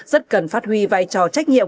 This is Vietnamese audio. rất cần phát huy vai trò trách nhiệm